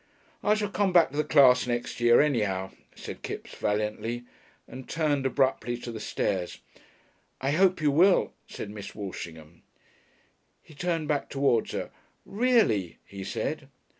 "I shall come back to the class next year, anyhow," said Kipps valiantly, and turned abruptly to the stairs. "I hope you will," said Miss Walshingham. He turned back towards her. "Reelly?" he said.